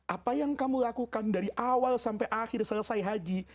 apa yang kamu lakukan dari awal sampai akhir selesai haji